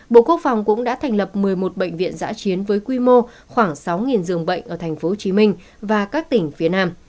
bộ quốc phòng cũng đã thành lập một mươi một bệnh viện giã chiến với quy mô khoảng sáu dường bệnh ở tp hcm và các tỉnh phía nam